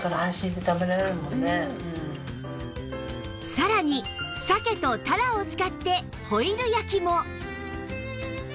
さらに鮭とたらを使ってホイル焼きも